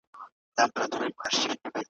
د ښار خلکو پیدا کړې مشغولا وه `